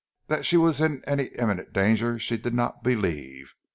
That she was in any immediate danger, she did not believe.